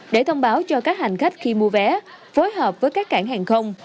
để thông báo cho các hành khách khi mua vé phối hợp với các cảng hàng không